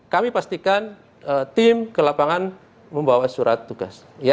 kami pastikan tim ke lapangan membawa surat tugas